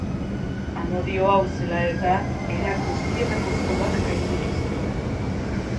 Amodio hau zela eta, era guztietako probak gainditu zituen.